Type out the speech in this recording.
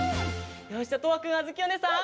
よしじゃとわくんあづきおねえさん